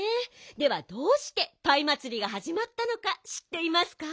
ではどうしてパイまつりがはじまったのかしっていますか？